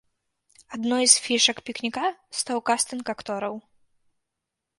Адной з фішак пікніка стаў кастынг актораў.